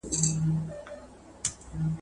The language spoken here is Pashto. آفتونه یې له خپله لاسه زېږي ..